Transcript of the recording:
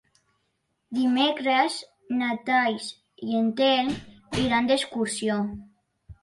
Dimecres na Thaís i en Telm iran d'excursió.